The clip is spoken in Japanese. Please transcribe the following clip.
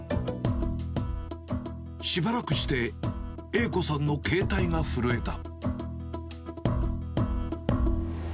しばらくして、栄子さんの携帯が震えた。